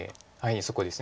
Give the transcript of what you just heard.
そこです。